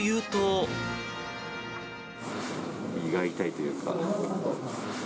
胃が痛いというか。